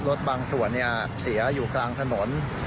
รถบางส่วนเสียอยู่กลางถนน